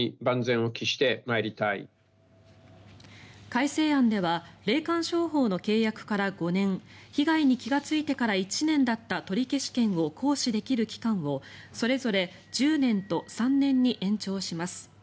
改正案では霊感商法の契約から５年被害に気がついてから１年だった取消権を行使できる期間をそれぞれ１０年と３年に延長します。